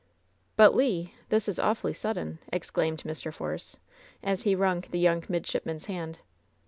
"But, Le — ^this is awfully sudden!" exclaimed Mr. Force, as he wrung the young midshipman's hand.